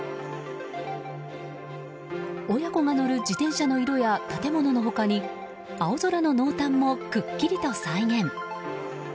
親子が乗る自転車の色や建物の他に青空の濃淡もくっきりと再現。